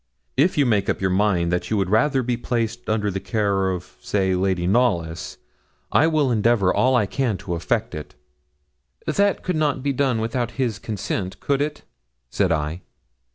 If you make up your mind that you would rather be placed under the care, say of Lady Knollys, I will endeavour all I can to effect it.' 'That could not be done without his consent, could it?' said I.